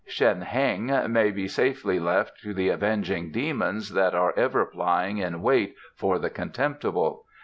Shen Heng may be safely left to the avenging demons that are ever lying in wait for the contemptible."